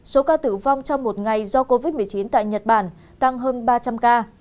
số ca tử vong trong một ngày do covid một mươi chín tại nhật bản tăng hơn ba trăm linh ca